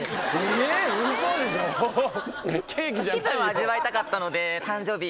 気分は味わいたかったので誕生日。